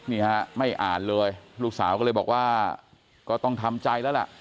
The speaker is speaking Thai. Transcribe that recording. นี่ฮะไม่อ่านเลยลูกสาวก็เลยบอกว่าก็ต้องทำใจแล้วล่ะ